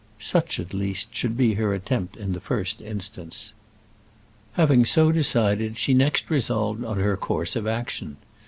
Such, at least, should be her attempt in the first instance. Having so decided, she next resolved on her course of action.